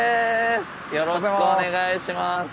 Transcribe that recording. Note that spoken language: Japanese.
よろしくお願いします。